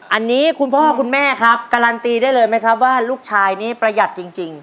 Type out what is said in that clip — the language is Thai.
อันนี้คุณพ่อคุณแม่ครับการันตีได้เลยไหมครับว่าลูกชายนี้ประหยัดจริง